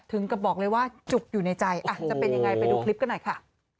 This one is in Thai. ถึงกับบอกเลยว่าจุกอยู่ในใจจะเป็นยังไงไปดูคลิปกันหน่อยค่ะ